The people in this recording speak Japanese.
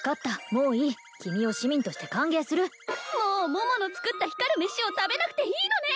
もういい君を市民として歓迎するもう桃の作った光る飯を食べなくていいのね！